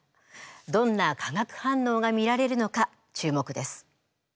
どんな化学反応が見られるのか注目です。